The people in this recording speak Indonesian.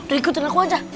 duikutin aku aja